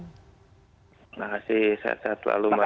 terima kasih sehat sehat selalu mbak